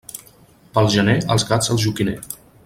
Pel gener els gats al joquiner.